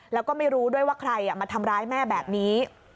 แล้วก็ไม่รู้ด้วยว่าใครมาทำร้ายแม่แบบนี้